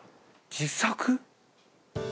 自作？